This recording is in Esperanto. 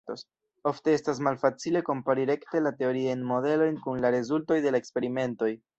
Ofte estas malfacile kompari rekte la teoriajn modelojn kun la rezultoj de la eksperimentoj.